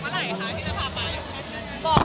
มีใครปิดปาก